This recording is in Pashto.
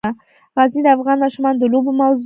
غزني د افغان ماشومانو د لوبو موضوع ده.